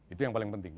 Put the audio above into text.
itu yang paling penting